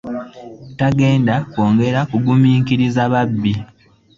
Tagenda kwongera kuguminkiriza babbi.